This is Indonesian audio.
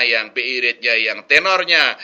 yang bi rate nya yang tenornya